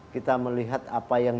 kita melihat apa yang